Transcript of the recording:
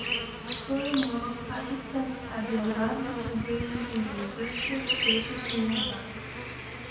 Furthermore, Pakistan had the advantage of bringing in the reserve troops stationed nearby.